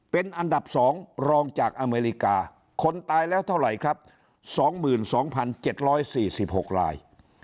เป็นอันดับ๒รองจากอเมริกาคนตายแล้วเท่าไหร่ครับ๒๒๗๔๖ราย